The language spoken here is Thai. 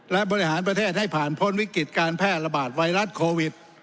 และบริหารประเทศให้ผ่านพ้นวิกฤตการแพร่ระบาดไวรัสโควิด